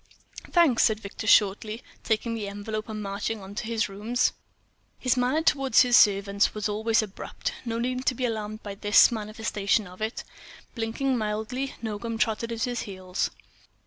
"Thanks," said Victor, shortly, taking the envelope and marching on into his rooms. His manner toward his servants was always abrupt. No need to be alarmed by this manifestation of it. Blinking mildly, Nogam trotted at his heels.